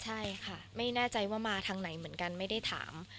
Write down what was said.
ใช่ค่ะไม่แน่ใจว่ามาทางไหนเหมือนกันไม่ได้ถาม